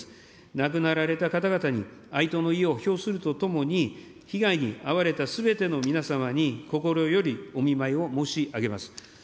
亡くなられた方々に哀悼の意を表するとともに、被害に遭われたすべての皆様に心よりお見舞いを申し上げます。